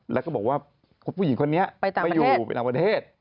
แล้วก็บอกว่าผู้หญิงคนนี้ไป่อยู่ห์ปลาเพศ